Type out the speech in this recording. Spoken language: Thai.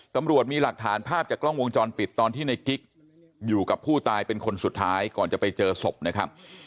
ตำรวจมีหลักฐานภาพจากกล้องวงจรปิดตอนที่ในกิ๊กอยู่กับผู้ตายเป็นคนสุดท้ายก่อนจะไปเจอศพนะครับ